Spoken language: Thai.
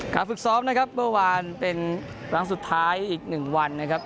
ฝึกซ้อมนะครับเมื่อวานเป็นครั้งสุดท้ายอีก๑วันนะครับ